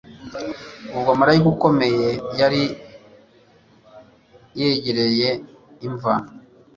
Ubwo Maraika ukomeye yari yegereye imva,